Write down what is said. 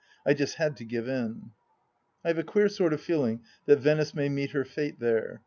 I just had to give in, I have a queer sort of feeling that Venice may meet her fate there.